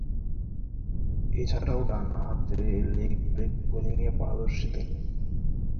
এছাড়াও, ডানহাতে leg break বোলিংয়ে পারদর্শী তিনি।